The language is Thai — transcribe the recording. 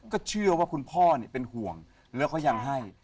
ก็เชื่อว่าคุณพ่อเป็นห่วงแล้วก็ยังให้